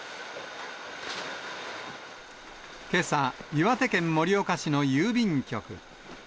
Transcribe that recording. けさ、岩手県盛岡市の郵便局。